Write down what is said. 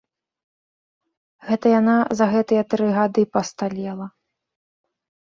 Гэта яна за гэтыя тры гады пасталела.